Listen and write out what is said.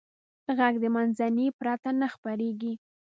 غږ د منځنۍ پرته نه خپرېږي.